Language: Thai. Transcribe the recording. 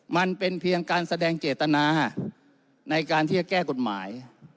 มันเป็นเพียงการแสดงเจตนาในการที่จะแก้กฎหมาย